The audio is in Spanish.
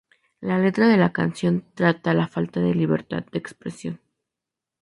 La letra de la canción trata la falta de libertad de expresión.